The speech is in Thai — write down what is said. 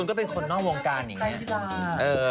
ตุลก็เป็นคนนอกวงการอีก